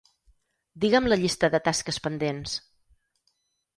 Digue'm la llista de tasques pendents.